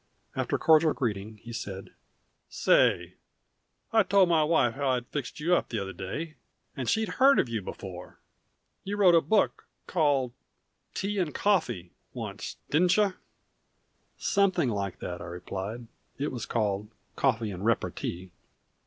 After a cordial greeting he said: "Say I told my wife how I'd fixed you up the other day, and she'd heard of you before. You wrote a book called 'Tea and Coffee' once, didn't cha?" "Something like that," I replied. "It was called 'Coffee and Repartee.'"